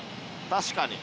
確かに。